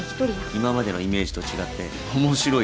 今までのイメージと違って面白いわ。